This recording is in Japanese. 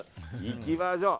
いきましょう。